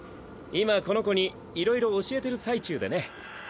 今この子にいろいろ教えてる最中でね。